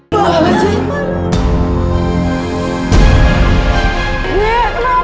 selamat si stairs